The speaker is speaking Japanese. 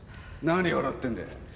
何笑ってんだよ。